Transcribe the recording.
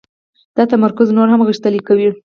دا تمرکز نور هم غښتلی کوي.